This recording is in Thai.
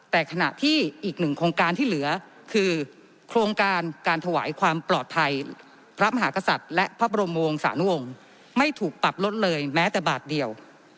แต่ขณะที่อีกหนึ่งโครงการที่เหลือคือโครงการการถวายความปลอดภัยพระมหากษัตริย์และพระบรมวงศานุวงศ์ไม่ถูกปรับลดเลยแม้แต่บาทเดียว